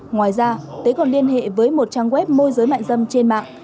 ngoài ra tế còn liên hệ với một trang web môi giới mại dâm trên mạng